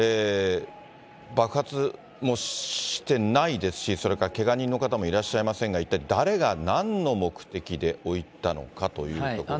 爆発もしてないですし、それからけが人の方もいらっしゃいませんが、一体誰が、なんの目的で置いたのかということで。